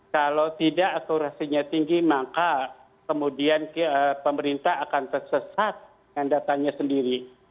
kalau tidak akurasinya tinggi maka kemudian pemerintah akan tersesat dengan datanya sendiri